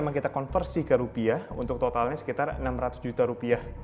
memang kita konversi ke rupiah untuk totalnya sekitar enam ratus juta rupiah